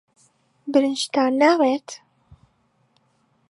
برنجتان ناوێت؟